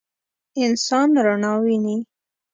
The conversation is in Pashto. انسان رڼا ویني.